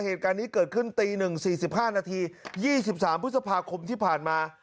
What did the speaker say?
เหตุการณ์นี้เกิดขึ้นตี๑๔๕นาที๒๓พฤษภาคมที่ผ่านมา